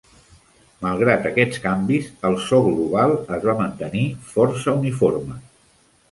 Malgrat aquests canvis, el so global es va mantenir força uniforme.